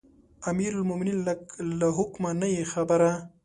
امیرالمؤمنین له حکمه نه یې خبره.